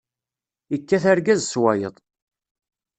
Ikkat argaz s wayeḍ.